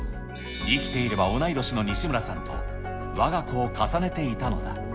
生きていれば同い年の西村さんと、わが子を重ねていたのだ。